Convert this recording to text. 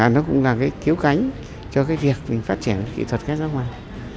nó cũng là cái thiếu cánh cho cái việc mình phát triển kỹ thuật gác rác mạc